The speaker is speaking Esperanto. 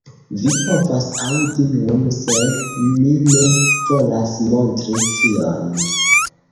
Vi povas aŭdi nun, sed mi ne volas montri tion.